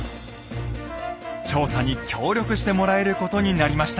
調査に協力してもらえることになりました。